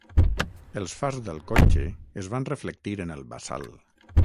Els fars del cotxe es van reflectir en el bassal.